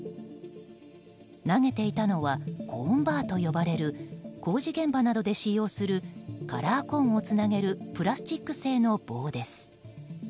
投げていたのはコーンバーと呼ばれる工事現場などで使用するカラーコーンをつなげるプラスチック製の棒です。